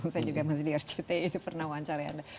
saya juga masih di rcti pernah wawancarai anda